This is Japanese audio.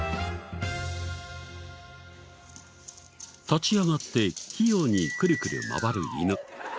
立ち上がって器用にクルクル回る犬。